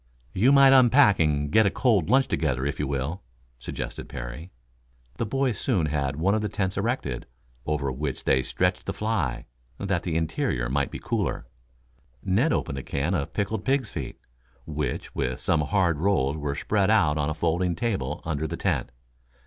"You might unpack and get a cold lunch together, if you will," suggested Parry. The boys soon had one of the tents erected, over which they stretched the fly, that the interior might be cooler. Ned opened a can of pickled pigs' feet, which, with some hard rolls were spread out on a folding table under the tent.